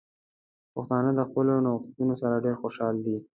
پښتانه د خپلو نوښتونو سره ډیر خوشحال دي.